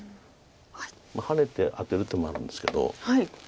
ハネてアテる手もあるんですけど。